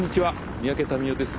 三宅民夫です。